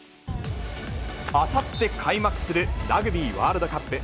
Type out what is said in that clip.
あさって開幕するラグビーワールドカップ。